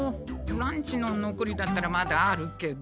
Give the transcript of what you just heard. ランチののこりだったらまだあるけど。